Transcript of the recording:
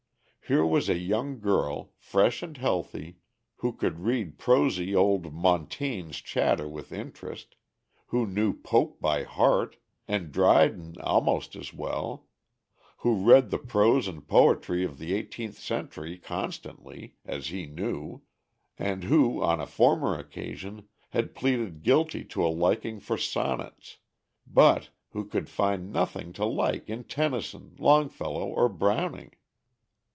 Here was a young girl, fresh and healthy, who could read prosy old Montaigne's chatter with interest; who knew Pope by heart, and Dryden almost as well; who read the prose and poetry of the eighteenth century constantly, as he knew; and who, on a former occasion, had pleaded guilty to a liking for sonnets, but who could find nothing to like in Tennyson, Longfellow, or Browning.